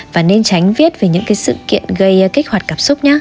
và nên tránh viết về những cái sự kiện gây kích hoạt cảm xúc nhất